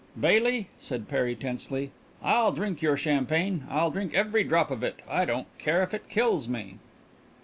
"Baily," said Perry tensely, "I'll drink your champagne. I'll drink every drop of it, I don't care if it kills me."